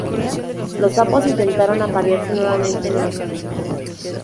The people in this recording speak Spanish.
Los sapos intentaron aparearse nuevamente en mayo.